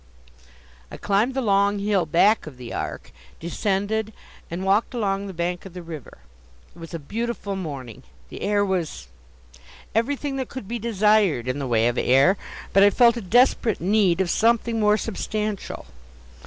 I climbed the long hill back of the Ark, descended, and walked along the bank of the river. It was a beautiful morning. The air was everything that could be desired in the way of air, but I felt a desperate need of something more substantial.